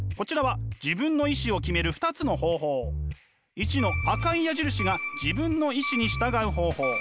１の赤い矢印が自分の意志に従う方法。